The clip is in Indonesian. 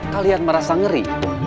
kalian merasa ngeri